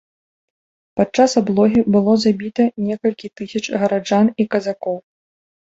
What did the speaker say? Падчас аблогі было забіта некалькі тысяч гараджан і казакоў.